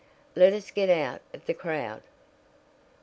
"Let us get out of the crowd."